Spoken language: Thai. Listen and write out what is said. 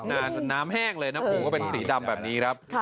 น้ำแห้งเลยน้ำปูก็เป็นคีย์ดำแบบนี้ครับ